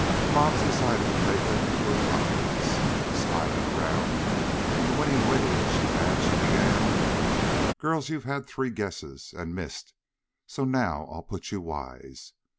Bobs decided to take them into her confidence. Smiling around in the winning way that she had, she began: "Girls, you've had three guesses and missed, so now I'll put you wise.